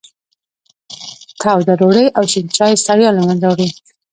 توده ډوډۍ او شین چای ستړیا له منځه وړي.